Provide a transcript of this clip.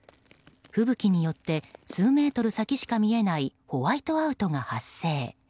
吹雪によって、数メートル先しか見えないホワイトアウトが発生。